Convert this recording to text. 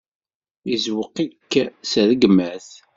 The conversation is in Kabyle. Izewweq-ik, s rregmat.